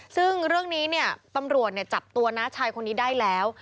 ซึ่งเรื่องนี้เนี่ยตำรวจจับตัวน้าชายคนนี้ได้แล้ว